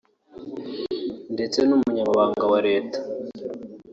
ndetse n’umunyamabanga wa leta